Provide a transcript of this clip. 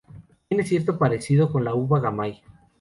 Tiene cierto parecido con la uva gamay.